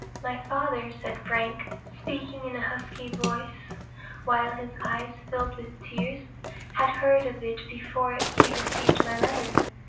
"My father," said Frank, speaking in a husky voice, while his eyes filled with tears, "had heard of it before he received my letter.